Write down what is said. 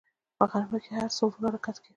په غرمه کې هر څه ورو حرکت کوي